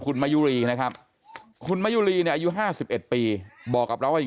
คุณมายุรีนะครับคุณมะยุรีเนี่ยอายุ๕๑ปีบอกกับเราว่า